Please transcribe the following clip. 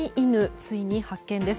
ついに発見です。